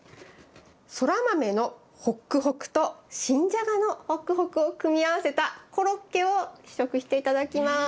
ソラマメのホックホクと新ジャガのホックホクを組み合わせたコロッケを試食して頂きます。